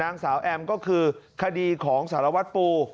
นางสาวแอมก็คือคดีของสารวัตรปู